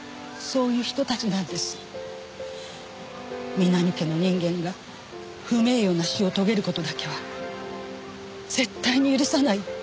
南家の人間が不名誉な死を遂げる事だけは絶対に許さないって。